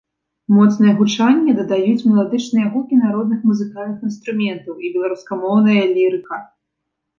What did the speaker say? Моцнае гучанне дадаюць меладычныя гукі народных музыкальных інструментаў і беларускамоўная лірыка.